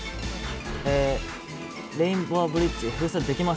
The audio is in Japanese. えーレインボーブリッジ